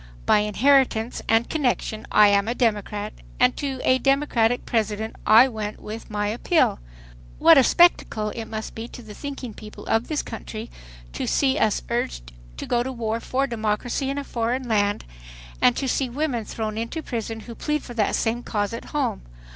By inheritance and connection I am a Democrat, and to a Democratic President I went with my appeal .... What a spectacle it must be to the thinking people of this country to see us urged to go to war for democracy in a foreign land, and to see women thrown into prison who plead for that same cause at home.